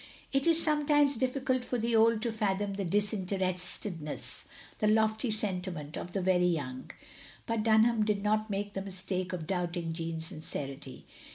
It is sometimes difficult for the old to fathom the disinterestedness — the lofty sentiment — of the very young; but Dtmham did not make the mis take of doubting Jeanne's sincerity.